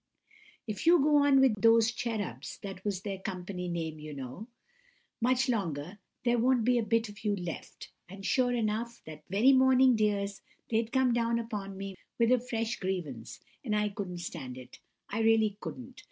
If you go on with those cherubs (that was their company name, you know) much longer, there won't be a bit of you left!' And, sure enough, that very morning, dears, they'd come down upon me with a fresh grievance, and I couldn't stand it, I really couldn't!